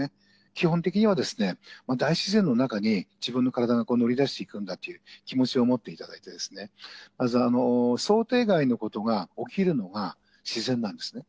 基本的には、大自然の中に、自分の体が乗り出していくんだという気持ちを持っていただいてですね、まず想定外のことが起きるのが自然なんですね。